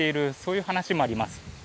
いう話もあります。